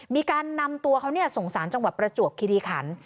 มีการนำตัวเขาส่งสารจังหวัดประจวบคิริขัน